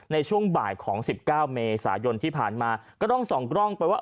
ในช่วงบ่ายของ๑๙เมษายนที่ผ่านมาก็ต้องส่องกล้องไปว่า